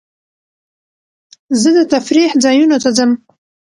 زه د تفریح ځایونو ته ځم.